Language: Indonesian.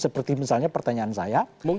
seperti misalnya pertanyaan saya